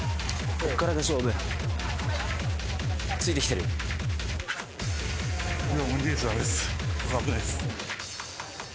ここ危ないです